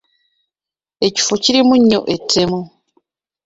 Ekifo kirimu nnyo ettemu.